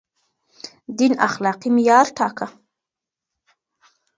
دين اخلاقي معيار ټاکه.